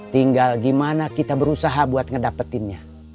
tinggal gimana kita berusaha buat ngedapetinnya